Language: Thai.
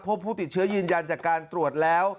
พบผู้ติดเชื้อยืนยันจากการตรวจแล้ว